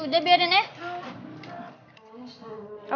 udah biarin ya